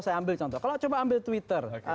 saya ambil contoh kalau coba ambil twitter